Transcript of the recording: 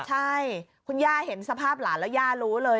ใช่คุณย่าเห็นสภาพหลานแล้วย่ารู้เลย